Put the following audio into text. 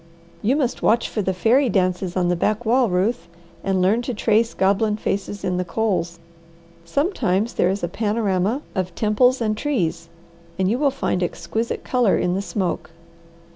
You must watch for the fairy dances on the backwall, Ruth, and learn to trace goblin faces in the coals. Sometimes there is a panorama of temples and trees, and you will find exquisite colour in the smoke.